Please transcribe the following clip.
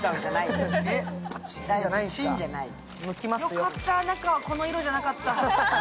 よかった、中はこの色じゃなかった。